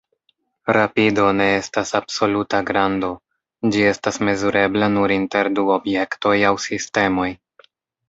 Rapido ne estas absoluta grando; ĝi estas mezurebla nur inter du objektoj aŭ sistemoj.